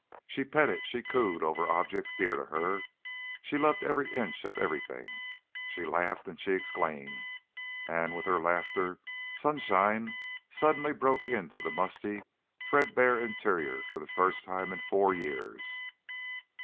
She petted and she cooed over objects dear to her; she loved every inch of everything; she laughed and she exclaimed, and with her laughter sunshine suddenly broke into the musty, threadbare interior for the first time in four years.